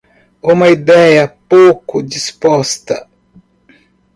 Uma ideia pouco disposta